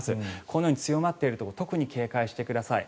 このように強まっているところ特に警戒してください。